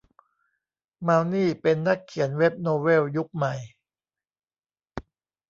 มาวนี่เป็นนักเขียนเว็บโนเวลยุคใหม่